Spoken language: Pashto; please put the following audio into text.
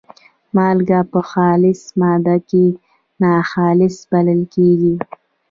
مالګه په خالصه ماده کې ناخالصه بلل کیږي.